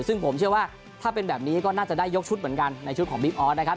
ซึ่งผมเชื่อว่าถ้าเป็นแบบนี้ก็น่าจะได้ยกชุดเหมือนกันในชุดของบิ๊กออสนะครับ